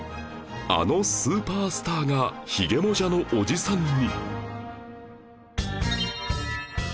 あのスーパースターが髭モジャのおじさんに